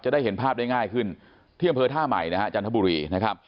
จะได้เห็นภาพได้ง่ายขึ้นที่อำเภอท่าใหม่จันทบุรี